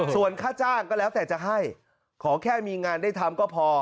ส่วนค่าจ้างก็แล้วแต่จะให้ขอแค่มีงานได้ทำก็พอ